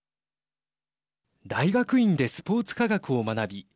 大学院でスポーツ科学を学び